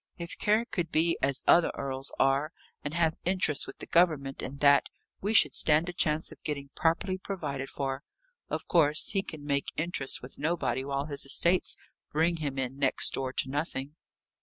If Carrick could be as other earls are, and have interest with the Government, and that, we should stand a chance of getting properly provided for. Of course he can make interest with nobody while his estates bring him in next door to nothing."